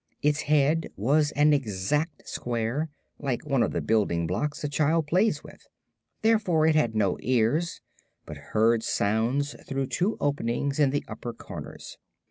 Its head was an exact square, like one of the building blocks a child plays with; therefore it had no ears, but heard sounds through two openings in the upper corners.